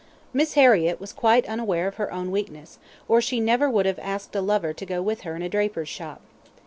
Miss Harriett was quite unaware of her own weakness, or she never would have asked a lover to go with her in a draper's shop.